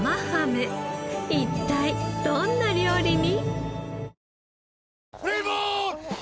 一体どんな料理に？